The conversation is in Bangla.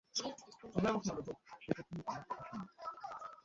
সে কখনই আমার কথা শোনেন না।